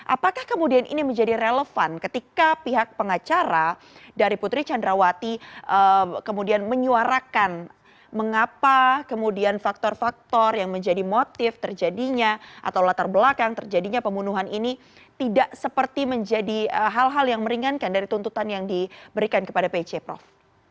apakah kemudian ini menjadi relevan ketika pihak pengacara dari putri chandrawati kemudian menyuarakan mengapa kemudian faktor faktor yang menjadi motif terjadinya atau latar belakang terjadinya pembunuhan ini tidak seperti menjadi hal hal yang meringankan dari tuntutan yang diberikan kepada pc prof